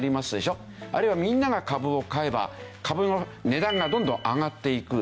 あるいはみんなが株を買えば株の値段がどんどん上がっていく。